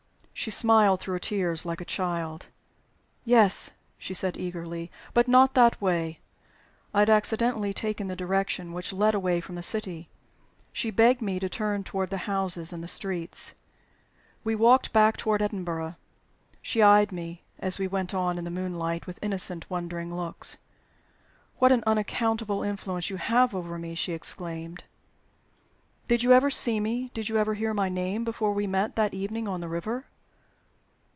She smiled through her tears like a child. "Yes," she said, eagerly. "But not that way." I had accidentally taken the direction which led away from the city; she begged me to turn toward the houses and the streets. We walked back toward Edinburgh. She eyed me, as we went on in the moonlight, with innocent, wondering looks. "What an unaccountable influence you have over me!" she exclaimed. "Did you ever see me, did you ever hear my name, before we met that evening at the river?"